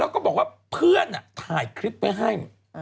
ก็บอกว่าเพื่อนถ่ายคลิปก็ให้